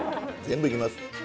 全部いきます。